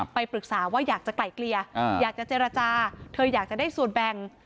ไปปรึกษาว่าอยากจะไกลเกลี่ยอยากจะเจรจาเธออยากจะได้ส่วนแบ่ง